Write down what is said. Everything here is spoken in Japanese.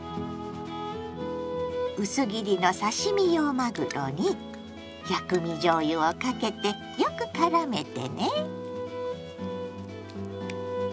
薄切りの刺身用まぐろに「薬味じょうゆ」をかけてよくからめてね。